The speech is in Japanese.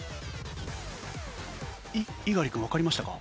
猪狩君わかりましたか？